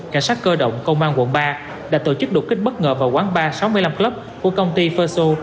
cảnh sát cơ động công an quận ba đã tổ chức đột kích bất ngờ vào quán ba sáu mươi năm club của công ty faso